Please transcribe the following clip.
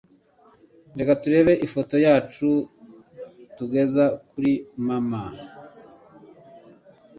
Reka turebe ifoto yacu togehter kuri mama.